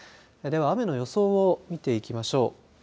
では雨の予想を見ていきましょう。